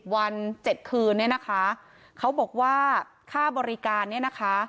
วัน๗คืนเนี่ยนะคะเขาบอกว่าค่าบริการเนี่ยนะคะ